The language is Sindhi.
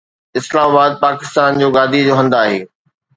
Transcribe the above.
اسلام آباد پاڪستان جو گادي جو هنڌ آهي.